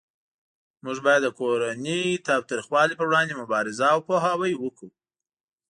موږ باید د کورنۍ تاوتریخوالی پروړاندې مبارزه او پوهاوی وکړو